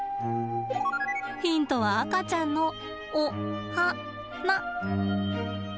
ヒントは赤ちゃんのおはな。